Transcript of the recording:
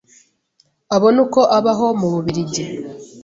abone uko abaho mu Bubiligi